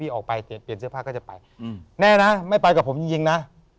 พี่ออกไปเตรียมเสื้อผ้าก็จะไปและน้ำไม่ไปกับผมยิงนะ